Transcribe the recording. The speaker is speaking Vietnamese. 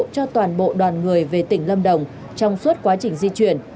cho toàn bộ đoàn người về tỉnh lâm đồng trong suốt quá trình di chuyển